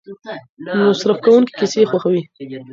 مصرف کوونکي کیسې خوښوي.